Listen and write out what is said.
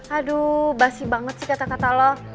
aduh basi banget sih kata kata lo